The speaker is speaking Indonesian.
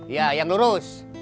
iya yang lurus